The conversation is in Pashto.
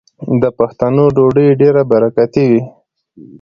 د پښتنو ډوډۍ ډیره برکتي وي.